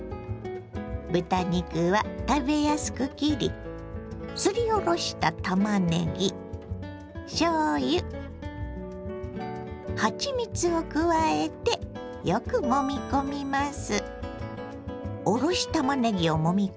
豚肉は食べやすく切りすりおろしたたまねぎしょうゆはちみつを加えてよくもみ込みます。